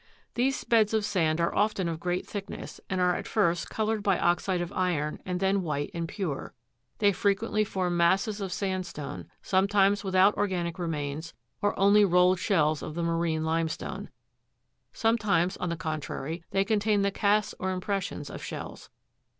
These beds of sand are often of great thickness, and are at first coloured by oxide of iron, and then white and pure: they frequently form masses of sandstone, sometimes without or ganic remains, or only rolled shells of the marine limestone ; some times, on the contrary, they contain the casts or impressions of shells.